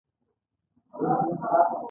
زه د مور نوم لیکم.